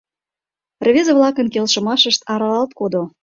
Рвезе-влакын келшымашышт аралалт кодо.